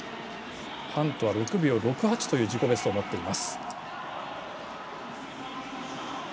ハントは６秒６８という自己ベストを持っています。